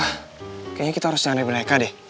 kayaknya kita harus nyala mereka deh